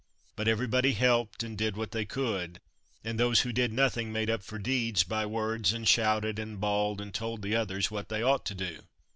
But everybody helped and did what they could, and those who did nothing made up for deeds by words and shouted and bawled and told the others what they ought to do.